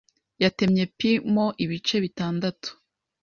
yatemye pie mo ibice bitandatu.